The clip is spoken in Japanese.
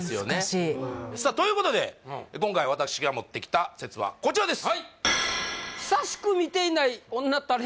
いや難しいということで今回私が持ってきた説はこちらです